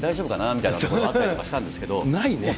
みたいなところもあったりしたんですけれども。